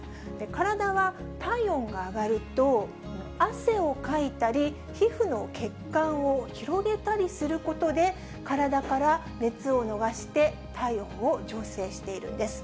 体は体温が上がると、汗をかいたり、皮膚の血管を広げたりすることで、体から熱を逃して体温を調整しているんです。